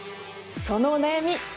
そのお悩み